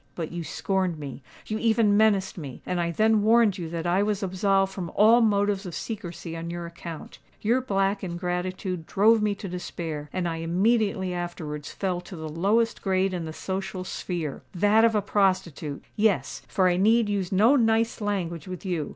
But you scorned me—you even menaced me; and I then warned you that I was absolved from all motives of secrecy on your account. Your black ingratitude drove me to despair; and I immediately afterwards fell to the lowest grade in the social sphere—that of a prostitute! Yes—for I need use no nice language with you.